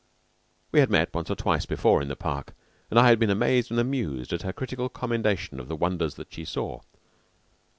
We had met once or twice before in the park, and I had been amazed and amused at her critical commendation of the wonders that she saw.